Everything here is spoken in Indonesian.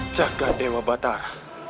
jaga dewa batar